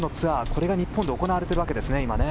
これが日本で行われているわけですね。